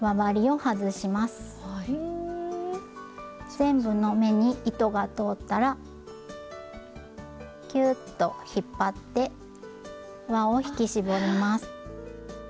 全部の目に糸が通ったらキューッと引っ張って輪を引き絞ります。